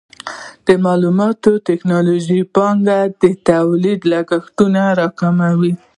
د معلوماتي ټکنالوژۍ پانګونه د تولید لګښتونه راکموي.